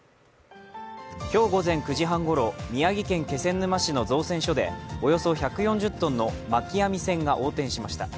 今日午前９時半ごろ、宮城県気仙沼市の造船所でおよそ１４０ｔの巻き網船が横転しました。